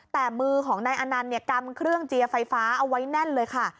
แต่มือของนายอนันต์เนี่ยกำเครื่องเจียร์ไฟฟ้าเอาไว้แน่นเลยค่ะ